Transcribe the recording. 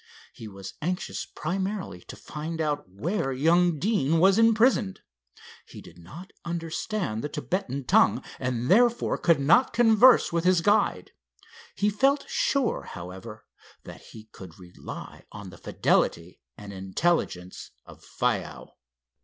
He was anxious primarily to find out where young Deane was imprisoned. He did not understand the Thibetan tongue, and therefore could not converse with his guide. He felt sure, however, that he could rely on the fidelity and intelligence of Faiow.